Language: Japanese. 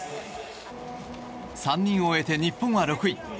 ３人を終えて日本は６位。